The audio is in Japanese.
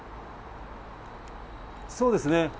そうですね。